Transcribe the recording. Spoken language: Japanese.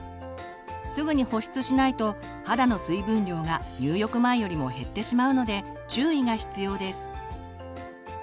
すぐに保湿しないと肌の水分量が入浴前よりも減ってしまうので注意が必要です。